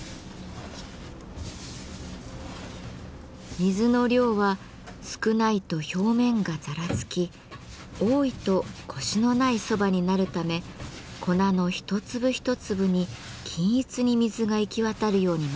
水の量は少ないと表面がざらつき多いとコシのない蕎麦になるため粉の一粒一粒に均一に水が行き渡るように混ぜていきます。